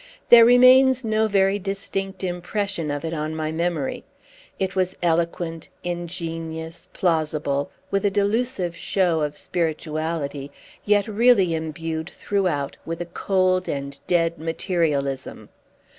There remains no very distinct impression of it on my memory. It was eloquent, ingenious, plausible, with a delusive show of spirituality, yet really imbued throughout with a cold and dead materialism.